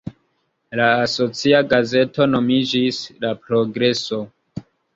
La asocia gazeto nomiĝis "La Progreso".